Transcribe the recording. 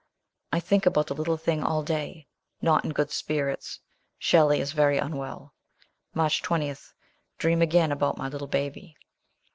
I think about the little thing all day. Not in good spirits. Shelley is very unwell. March 20. Dream again about my little baby.